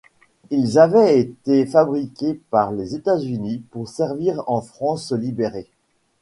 Ils avaient été fabriqués par les États-Unis pour servir en France libérée.